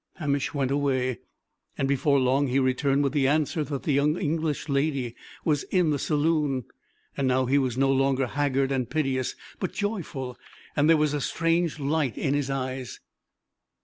Hamish went away; and before long he returned with the answer that the young English lady was in the saloon. And now he was no longer haggard and piteous, but joyful, and there was a strange light in his eyes.